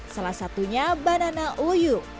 salah satunya banana uyu